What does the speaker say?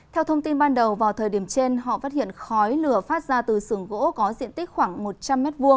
theo thông tin ban đầu vào thời điểm trên họ phát hiện khói lửa phát ra từ sườn gỗ có diện tích khoảng một trăm linh m hai